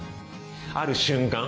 ある瞬間